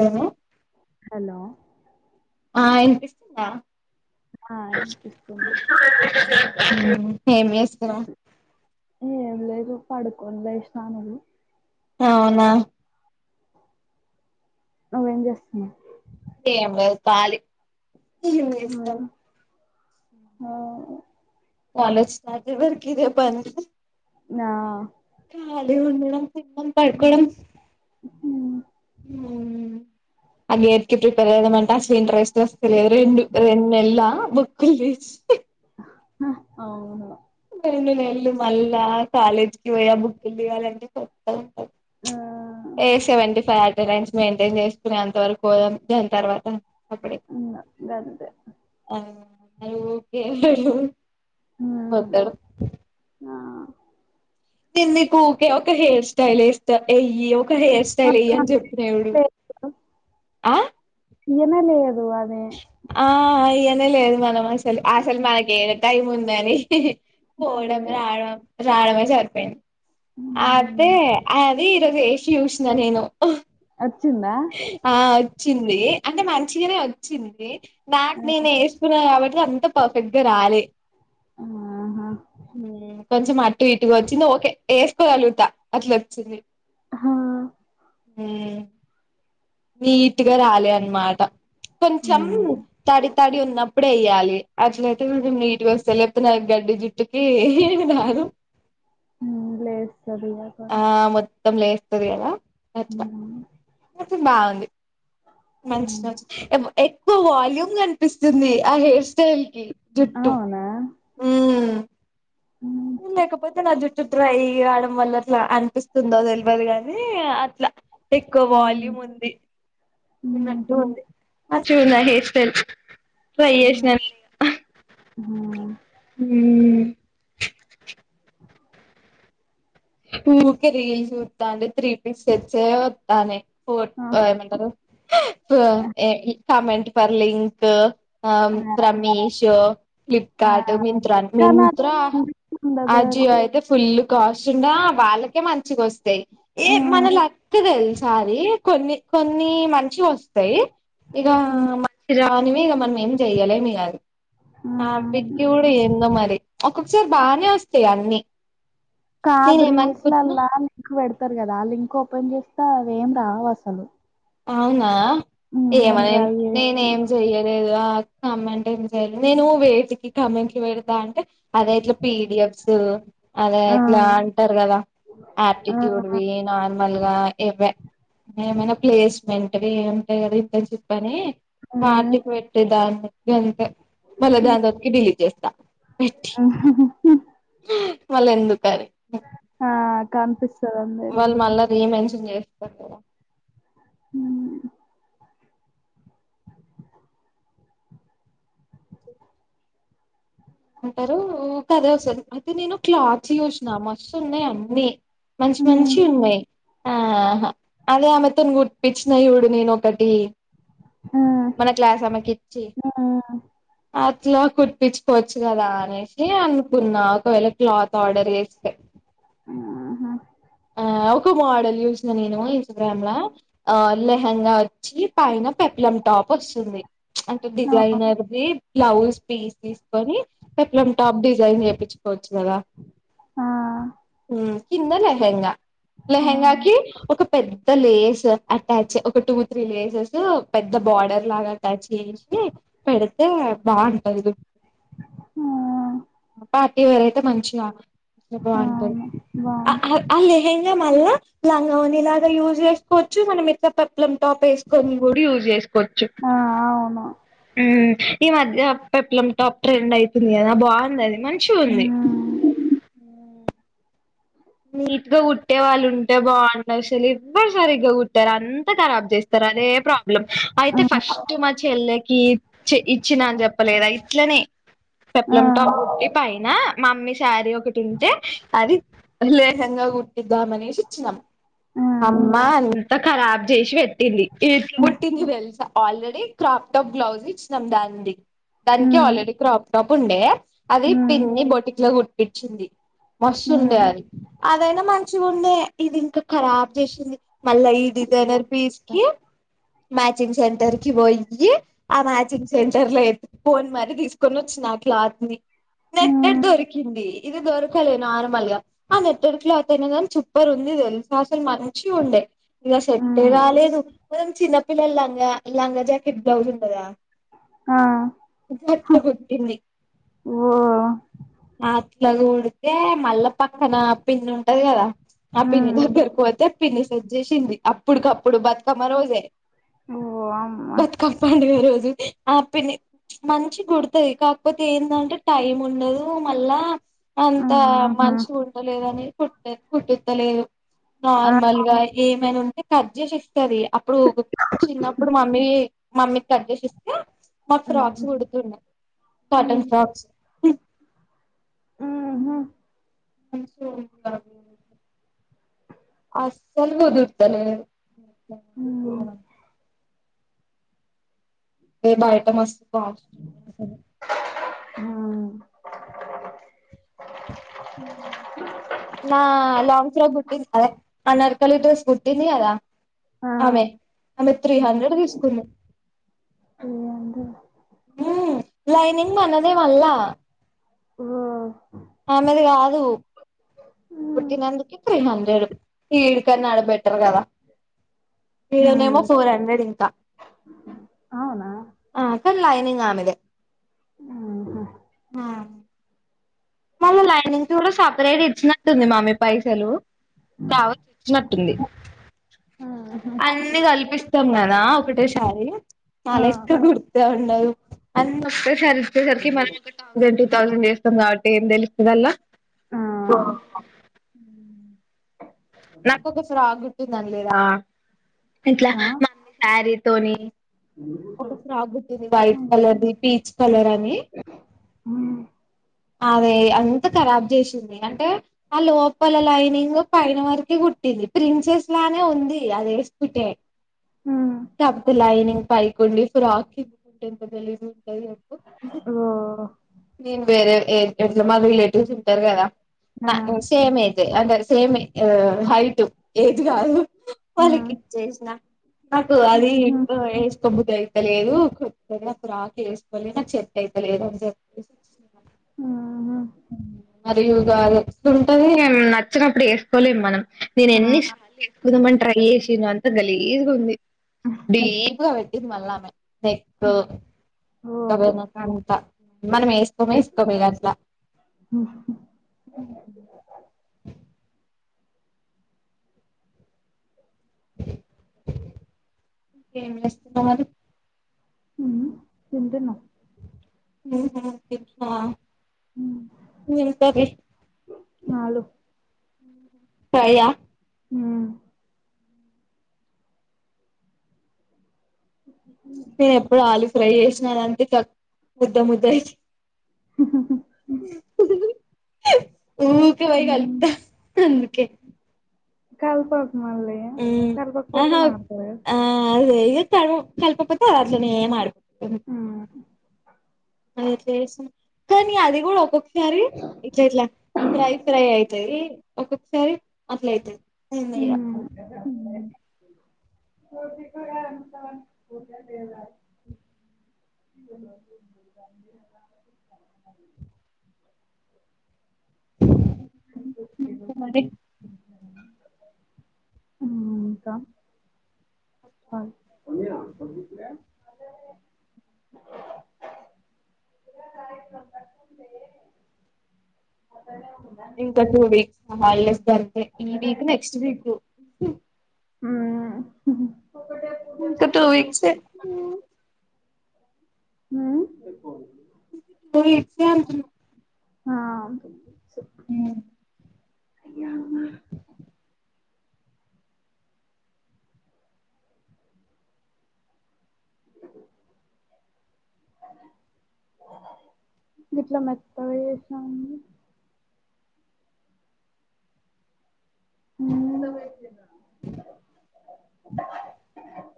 Hello hello ఆ అనిపిస్తుందా ఆ వినిపిస్తుంది హే మీస్ ఏ ఎ రూపా అడుకు ఎంతా విష్ణనదు అవునా ఏేం చేస్తున్నా ఏ కాాలిష్ట చేస్తున్నావ్ ఆ చాలుచ్చ తజ భ కర ప నా అదే ఉ మేడం సిం పట్కోడండం ఉమ్, అదిే ఎత్కి ప్రిపేర్ అదమంటా స్లీీన్ రైస్ సరే రెండు రెంెల్లా బొక్కులు వసి అవును రండు నెలలు మళ్ళా కాలేజీకిి పోయా బుక్కులు తీివ్వాలంటే చెస్తాం ఆ, ఏషవంట ఫైర్ అటెండెన్స్ మెయింటైన్ చేసుకుని ఎంత వరకు పో దాని తర్వాత అప్పుడే ఉ వంత అది ఊకే పోతాడు ఆ నిన్ని కూకే ఒక హెయిర్ స్టైల్ ఇస్త ఎయ్యి ఒక హెయిర్ స్టైల్ ఏయ్య ఆ, అని చెప్తున్నా ఎవుడు ఆ ఏ మ లే అ ఆ అ్యనే లేదు మనం అసలు అసలు మనకి ఏ టైం ఉందని అదే పోడం రా రాడమ చర్పడి అదే ఉమ్, అదే ఇరోజ యశ ూష్ణ నేను వచ్చిందా ఆ వచ్చింది అంటే మంచిగానే వచ్చింది నాకు నేను వేసుకున్నాను కాబట్టి అంత పర్ఫెక్ట్గా రాలే ఆహా కొంచెం అటు ఇటుగా వచ్చింది ఓే వేసుకోగలుగుతా అట్లా వచ్చింది హా నీట్గా రాలే అన్నమాట కొంచం తడి తడి ఉన్నప్పుడే వయ్యాలి అట్లయితేము నీట్గా వస్తే లేకపోతే నా గడ్డి జుట్టుకి లేస్ సరి తమ్లే వస్తుస్తది అలా అట్లా కాగుంది మంచి ఉ మంచి ఎక్కువ వాల్యూమ్ కనిపిస్తుంది ఆ హెయిర్ స్టైల్ కి జుట్టు అవునా ఉమ్, లేకపోతే నా జుట్టు ట్రై కావడం వల్ల అట్లా అనిపిస్తుందో తెలియదు కాగాని ఇట్లా ఎక్కువ హ్మ్. వాల్యూమ్ ఉంది ఉన్నట్టు హుహు. ఉంది అచ్చికుంద హసన్ ట్రై హ్మ్. చేసిన హ్మ్. హ ఊక రీల్ చూస్తా అండి త్రీ పిక్సెర్స్ే వస్తానే ఆ! ఫోంటారు కమెంట్ ప లింక్ అ ఆ! రమేష్ ఆ! ఫ్లిప్కార్ట్ మంత కానీ అది మంత్రా కనిపిస్తుండదు ఆ రా రీ జీవ అయితే ఫుల్ చ వాళ్ళకే మంచిగా వస్తాయి ఏ మన హ్మ్. లక్క తెలిసారి కొన్ని కొన్ని మంచి వస్తాయి ఇక హ్మ్. మంచి రానివి ఇక మనం ఏం చెయ్యలేమి కాదు హ్మ్. ఆబ్యూడు ఏందో మరి ఒక్కొక్కసారి బానే వస్తాయి అన్నిీ కాదు రీల్స్లలా నిలింక్ పెడత చెారు కదా ఆ లింక్ ఓపెన్ చేస్తే అవి ఏం రావు అసలు అవునా ఏమ ట్రై నేనే చేషినా. ఏం చెయలేదు కమెంట్ ఏం చేయాలి నేను వేటికి కమెంట్లు పెడతా అంటే అదే ఎట్లా పీడిఎఫ్ అదే ఆ! అట్లా అంటారు కదా ఆ! ఆప్టిట్యూడ్ వి నాార్ మల్గా ఏవ ఏమైనా ప్లేస్మెంట్వి ఏంటాయి కదా ఇంత చెప్పని హ్మ్. వాటికి పెట్టే దాన్ని మళ్ళా దాకి ఢిలీ చేస్తా వాళ్ళు ఎందుకని ఆ! కనిపిస్తదందరికి. వాళ్ళు మళ్ళ ర ఏమ హ అంటారు కద వసంది అయితే నేను క్లాత్స్ చయూసిన మస్తు ఉన్నాయి అన్నీ మంచి మంచి హ్మ్. ఉన్నాయి ఆహా అదే ఆమెతోను గుప్పచ్చినాయిడు నేను ఒకటి హ్మ్. మన క్లాస్ అమ్మకి ఇచ్చి అట్లా కుర్పచ్చుపోవచ్చు చ్చు కదా అనేసి అనుకున్నా ఒకవేళ క్లాత్ ఆర్డర్ చేస్తే హ్మ్. ఆ ఒక మోడల్ చూసిన నేను ఇన్స్టాగ్రామ్ లెహంగా వచ్చి పైన పెప్ల టాప్ వస్తుంది అంటే ఆహా! డిజైనర్దిి బ్లౌజ్ పీస్ తీసుకొని పెప్లం టాప్ డిజైన్ చేయిచ్చు చ్చదా ఆ! ఆ! కిన్నలే లహెంగా లహెంగాకి ఒక పెద్ద లేస్ అటాచ్ ఒక టూ త్రీ లేసెస్ పెద్ద బోార్డర్ లాగా అటాచ్ చేయ ఇ పెడతే బాగాంటదు ఆ! ఆ! పార్టీ వరయితే మంచించిగా అ ఆ బాగుంటది అవును బాగుంది ఆ స్హంగా మళ్ళా లంగని ఇలాగా యూజ్ చేసుకోవచ్చు మనం ఇట్లా పప్లం టాప్ వేసుకొని కూడా యూస్ చేసుచ్చు కొచ్చు ఆ అవును ఈ మధ్య పెప్లం టాప్ ట్రెండ్ అయితుంది కదా బాగుంది అది మంచి ఉంది హ్మ్ నీట్ గా కుట్టే వాళ్ళు ఉంటే బాగుంట అసలు ఎవ్వరు సరిగ్గా కుట్టారు అంత రాబ్ చేస్త అదే ప్రాబ్లం ఆ అయితే ఫస్ట్ మ చెల్ ఇచ్చినాని చెప్పలేదా ఇట్లనే ఆ పెప్పలటా ప మమ్మీ శారీ ఒకటింటే అది లేసంగా కుటి ఉద్దామనే శిక్షణం ఆ అమ్మా అంత ఖరాబ్ చేసి పెట్టింది ఇట్లు కుట్టింది తెలుసా ఆల్రెడీ క్రాప్ టాప్ గ్లౌజ్ ఇచ్చినాం దా దానికి హ్మ్ ఆల్రెడీ క్రాప్ టాప్ ఉండే అది హ్మ్ పిన్ని బోటింగ్ లో కుట్టించిింది మస్తుండే హ్మ్ అది అదైనా మంచి ఉండే ఇది ఇంకా ఖరాబ్ చేసింది మళ్ళ డిిజైనర్ ఓకే. పీస్కి మ్యాచింగ్ సెంటర్కి కి పోయి ఆ మ్యాచింగ్ సెంటర్ లో ఫోన్ మర తీసుకొని వచ్చినంది ఆ క్లాత్ ని నెట్టట్ హ్మ్ దొరికింది ఇది దొరకలే నార్మల్ గా ఆ నెట్వర్క్ లో అతయిైనదని సూపర్ ఉంది తెలుసా అసలు మంచి ఉండే ఇక సషర్ట్ే హ్మ్ రాలేదు మనం చిన్నపిిల్లల లంగా లంగా జాకెట్ బ్లౌజ్ ఉండదా ఆ ట్లు కొట్టింది ఓ ఆ ఇట్లాగ ఉఊడితే మళ్ళ పక్కన పిండి ఉంటది కదా ఆ హ్మ్ పిండి పెరిపోతే పిన్ని సజ చేసింది అప్పుడుకప్పుడు బతుకమ్మ రోజే ఓ అమ్మ బతుకా పాండ గరుజు ఆ న మంచి గుడుతుది కాకపోతే ఏంటంటే టైం ఉండదు మళ్ళా అంతా ఆహా మనుష నేదిట్ట కుుట్టతలేదు ఆ నార్మల్ గా ఏమైనా ఉంటే కర్జస్ సర అప్పుడు చిన్నప్పుడు మమ్మీ మమ్మీ తగ్జేసి ఇస్తే మా ఫ్రక్స్ హ్మ్ కొడుతున్నా కాటన్ ఫ్రక్స్ ఆ మ స అ చల్దుర్తనే అ ఏ బయట మస్తు బాగుస్తుంది హ నా లాంగ్ ఫ్రక్ గుుట్ట అదే అనరకలి డ్రెస్ కుర్టింది అదా ఆ ఆమె ఆమె త్రీ హ్మ్. హండ్రెడ్ తీసుకున్నా ఏందో ఉం లైనింగ్ మనదే మల్ళా ఓ ఆమెదిగాదు హ్మ్ కుట్టినందుకి త్రీ హండ్రెడ్ ఈడికన్నా ఆడ బెటర్ గదా ఇడనేమో హ్మ్. ఫోర్ హండ్రెడ్ ఇంకా అవునా ఆ కన్ లైనింగ్ ఆమేదే హుహు. హ మళ్ళ లైనింగ్స్ కూడా సపరేట్ ఇచ్చినట్టుంది మామ్మీ పైసలు కావచ్ ఇచ్చినట్టుంది హుహు. అన్ని కల్పిస్తాం కదా ఒకటేసారి ఆ నాలెక్క గుర్తే ఉండదు అన్నోక్కసారి వచ్చేసరికి మనం ఒక థౌసండ్ టూ థౌసండ్ చేస్తాం కా ట్టె ఏం తెలుస్తుందల్లా ఆ నాకొక ఫ్రాక్ కుట్టిందన్ లేదా ఇట్లా ఆ మమ్మి శారీ తోని ఒక ఫ్రాక్ కుట్టింది వైట్ ఉమ్, కలర్ది పీచ్ కలర్ అని ఉం అదే అంత ఖరాబ్ చేసింది అంటే ఆ లోపల లైనింగ్ పైన వరకె గు కుట్టింది ప్రిన్సెస్ లానే ఉంది అదేసుకుంటే ఉమ్, ఇగప్పు లైనింగ్ పైకుండి ఫ్రాక్ ఓ నేను వేరే ఎట్ ఎట్లా మా రిలేటివ్స్ ఇత్తర్ గదా ఆ నా సేమ్ ఏజె అంటే సేమే హైట్ ఏజ్ కాదు ఉమ్, వాళ్ళకిచ్చేష్ణ నాకు అది ఉమ్హు, ఇప్ బుద్ధయితలేదు కొత్తగా ఫ్రాక్ ఏసుకోలే నాక్ సెట్ అయితలేదు ఆన్ చెప్పి ఉమ్హు, మరియుగాంటుంటది నచ్చినప్పుడు ఎసుకోలేం మనం నేను ఆ ఎన్ని సార్లు ఎసుకుందాంమని ట్రై చేసిన్నో అంతా గలీజ్గా ఉంది డీప్గా పెట్టింది మల్ళమె నెక్కు ఓ [unintelligible] అంత మనం వేసుకో టం ఇగట్ల ఏం చేస్తున్నావ్ మరి ఉం తింటున్న ఉహ్మ్ తింటున్నావా ఉమ్, వెళ్తారే ఆలో ఫ్రైయా ఉం నేనెప్పుడు ఆలు ఫ్రై చేసినానంటే ముద్ద ముద్ద అయితై హహహ ఊకె పోయి ఉమ్, కలుప్త అందుకే కల్పక్ మళ్ళి మ్మ్ కల్పక్పోతే ఆహా మడ్తాద ఆ అదే ఇగ కల్ కల్పపోతే అదట్లనే మాడి ఉమ్, కనీ అదిేకూడా ఒక్కొక్కసారి ఇట్లా ఇట్లా ఫ్రై ఫ్రై అయి తై ఒక్కొక్కసారి అట్లా అయితది నిందెయ్య జకుగా పద ఇ ఇంక మరి ఇకా ఇంకా టూ వీక్స్ హాలిడేస్ ధర ఈ వీక్ నెక్స్ట్ వీక్ హ ఇకా టూ వీక్స్ హ టూ వీక్సే ఆ అ అయవు ఇట్లా మత్తష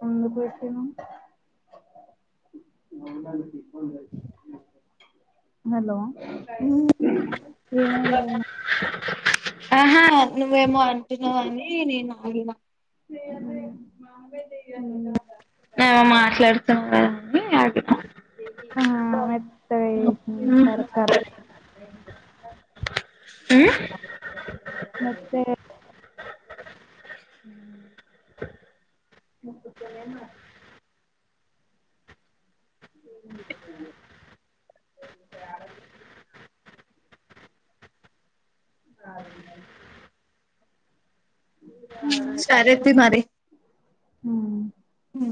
ముందు పోటి హలో ఏమైంది ఏమ ఆహా నువ్వేమో అంటున్నావ అని నేను ఆగిన స నేను మాట్లాడుతున్నా కదని అగతం ఆ ఎత్త వషడక మే హ అ సమమా బ సరతి మరి హ హ